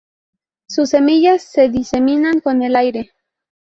Sus semillas se diseminan con el aire.